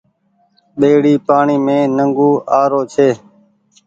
ٻيڙي پآڻيٚ مين نڳون آرو ڇي۔